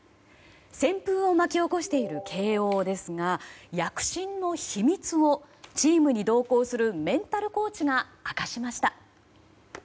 旋風を巻き起こしている慶應ですが躍進の秘密を、チームに同行するメンタルコーチが明かしました。